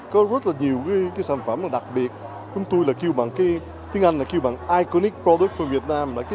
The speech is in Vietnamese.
có rất nhiều sản phẩm đặc biệt chúng tôi kêu bằng tiếng anh là iconic product from việt nam